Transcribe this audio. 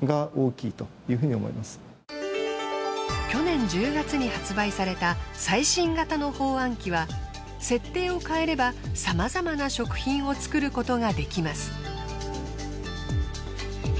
去年１０月に発売された最新型の包あん機は設定を変えればさまざまな食品を作ることができます。